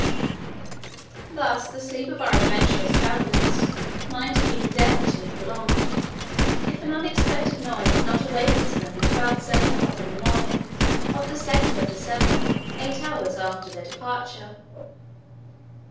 Thus the sleep of our adventurous travelers might have been indefinitely prolonged, if an unexpected noise had not awakened them at about seven o'clock in the morning of the 2nd of December, eight hours after their departure.